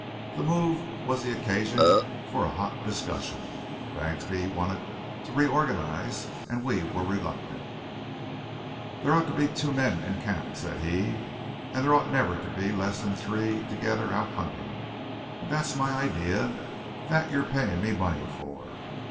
The move was the occasion for a hot discussion. Bagsby wanted to reorganize, and we were reluctant. "Thar ought to be two men in camp," said he, "and thar ought never to be less'n three together out hunting. And that's my idee that ye're paying me money for."